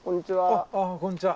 あっこんにちは。